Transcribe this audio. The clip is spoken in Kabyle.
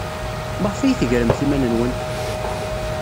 Maɣef ay tegremt iman-nwent?